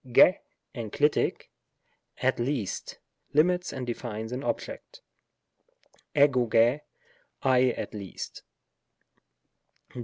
ys (enclitic), " at least," limits and defines an ob ject ; eycoyty " I at least."